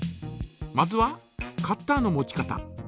まずはカッターの持ち方。